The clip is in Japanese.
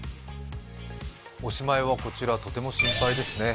おしまいはこちら、とても心配ですね。